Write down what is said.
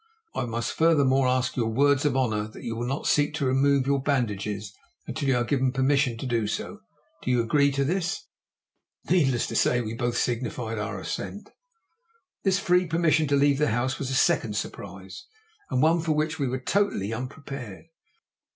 I must furthermore ask your words of honour that you will not seek to remove your bandages until you are given permission to do so. Do you agree to this?" Needless to say we both signified our assent. This free permission to leave the house was a second surprise, and one for which we were totally unprepared.